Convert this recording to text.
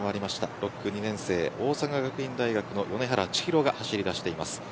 ６区２年生、大阪学院大学の梅原が走り出しています。